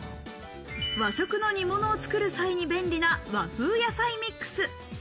和食の煮物を作る際に便利な和風野菜ミックス。